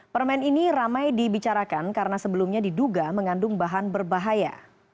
permen ini ramai dibicarakan karena sebelumnya diduga mengandung bahan berbahaya